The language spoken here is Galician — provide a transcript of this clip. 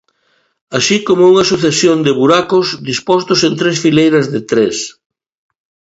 Así como unha sucesión de buracos, dispostos en tres fileiras de tres.